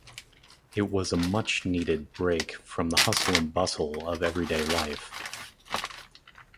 It was a much-needed break from the hustle and bustle of everyday life.